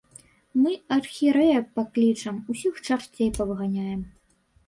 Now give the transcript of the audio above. Мы архірэя паклічам, усіх чарцей павыганяем.